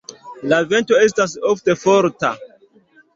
La vento estas ofte forta.